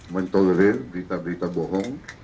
men tolerir berita berita bohong